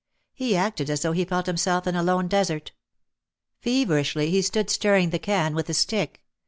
He acted as though he felt himself in a lone desert. Feverishly he stood stirring the can with a stick.